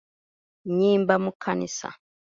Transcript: Nnyimba mu kkanisa.